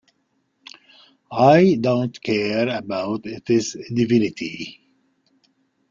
I don’t care about its divinity.